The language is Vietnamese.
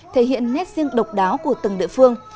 thể hiện nét riêng độc đáo của từng địa phương